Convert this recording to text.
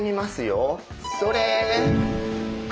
それ！